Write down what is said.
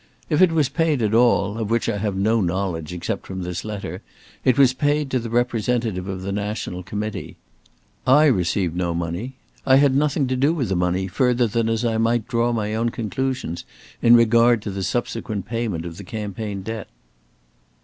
If it was paid at all, of which I have no knowledge except from this letter, it was paid to the representative of the National Committee. I received no money. I had nothing to do with the money further than as I might draw my own conclusions in regard to the subsequent payment of the campaign debt."